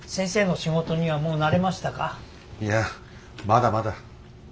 いやまだまだ。